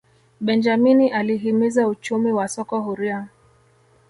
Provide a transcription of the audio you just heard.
benjamini alihimiza uchumi wa soko huria